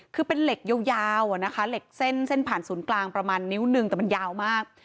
คือเป็นเหล็กยาวอะนะคะเหล็กเส้นเส้นผ่านศูนย์กลางประมาณนิ้วหนึ่งแต่มันยาวมาก